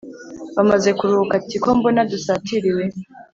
bamaze kuruhuka ati"kombona dusatiriwe